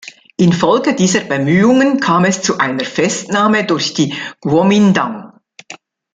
Infolge dieser Bemühungen kam es zu einer Festnahme durch die Guomindang.